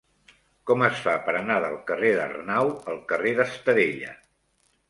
Com es fa per anar del carrer d'Arnau al carrer d'Estadella?